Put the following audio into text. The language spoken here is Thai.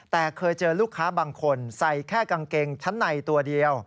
แต่เคยเจอลูกค้าบางคนใส่แค่กางเกงชั้นในตัวเดียว